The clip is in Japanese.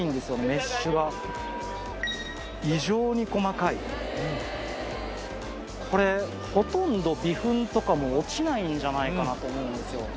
メッシュが異常に細かいこれほとんど微粉とかも落ちないんじゃないかなと思うんですよ